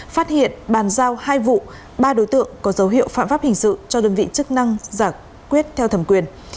phát hiện bàn giao hai vụ ba đối tượng có dấu hiệu phạm pháp hình sự cho đơn vị chức năng giải quyết theo thẩm quyền